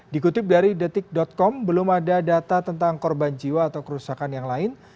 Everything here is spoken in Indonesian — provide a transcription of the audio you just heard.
dikutip dari detik com belum ada data tentang korban jiwa atau kerusakan yang lain